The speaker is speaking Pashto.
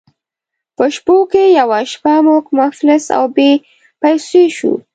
په شپو کې یوه شپه موږ مفلس او بې پیسو شوو.